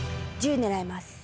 １０狙います。